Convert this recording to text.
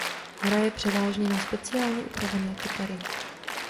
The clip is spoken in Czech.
Hraje převážně na speciálně upravené kytary.